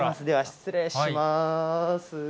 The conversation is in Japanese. では失礼します。